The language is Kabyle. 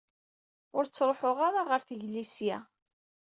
Ur ttruḥeɣ ara ɣer teglisya.